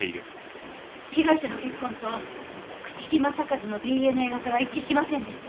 被害者の血痕と朽木政一のＤＮＡ型は一致しませんでした。